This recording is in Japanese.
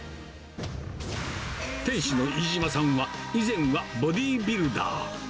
店主の飯嶋さんは、以前はボディービルダー。